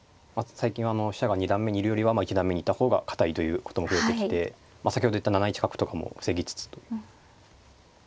最近は飛車が二段目にいるよりは一段目にいた方が堅いということも増えてきて先ほど言った７一角とかも防ぎつつと。